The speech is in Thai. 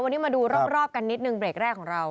วันนี้มาดูรอบกันนิดนึงเบรกแรกของเรา